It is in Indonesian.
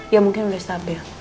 ya mungkin udah stabil